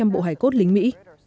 hai trăm linh bộ hài cốt lính mỹ